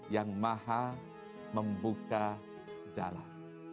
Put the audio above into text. yang maha membuka jalan